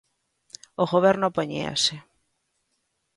O Goberno opoñíase.